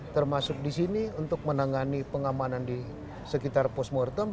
termasuk di sini untuk menangani pengamanan di sekitar postmortem